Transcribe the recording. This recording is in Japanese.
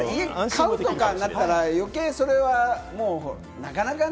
買うとかなったら、余計、それはなかなかね。